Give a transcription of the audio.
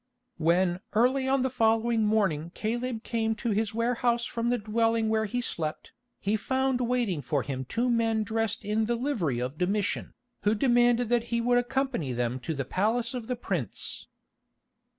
When early on the following morning Caleb came to his warehouse from the dwelling where he slept, he found waiting for him two men dressed in the livery of Domitian, who demanded that he would accompany them to the palace of the prince.